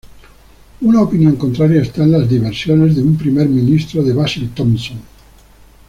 Una opinión contraria está en Las diversiones de un primer ministro de Basil Thomson.